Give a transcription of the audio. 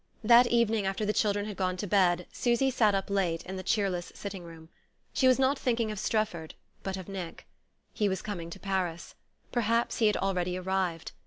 That evening after the children had gone to bed Susy sat up late in the cheerless sitting room. She was not thinking of Strefford but of Nick. He was coming to Paris perhaps he had already arrived.